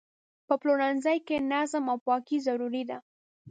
په پلورنځي کې نظم او پاکي ضروري ده.